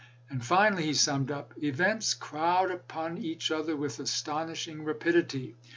And finally he summed up :" Events crowd upon each other with astonishing rapidity.